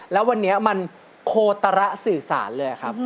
แล้ววันนี้มันโคตระสื่อสารเลยครับ